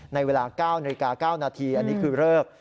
ในเวลา๙นาฬิกา๙นาทีอันนี้คือเลิก